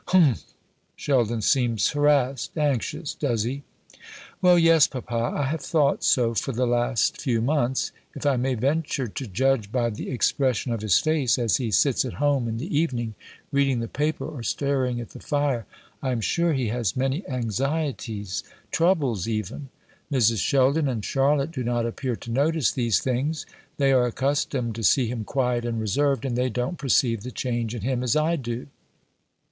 "Humph! Sheldon seems harassed, anxious, does he?" "Well, yes, papa; I have thought so for the last few months. If I may venture to judge by the expression of his face, as he sits at home in the evening, reading the paper, or staring at the fire, I am sure he has many anxieties troubles even. Mrs. Sheldon and Charlotte do not appear to notice these things. They are accustomed to see him quiet and reserved, and they don't perceive the change in him as I do."